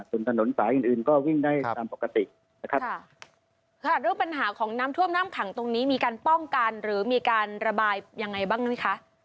ส่วนถนนสายอื่นอื่นก็วิ่งได้ตามปกตินะครับค่ะเรื่องปัญหาของน้ำท่วมน้ำขังตรงนี้มีการป้องกันหรือมีการระบายยังไงบ้างไหมคะ